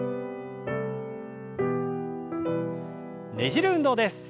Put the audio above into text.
ねじる運動です。